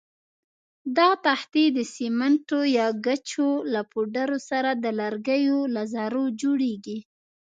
دا تختې د سمنټو یا ګچو له پوډرو سره د لرګیو له ذرو جوړېږي.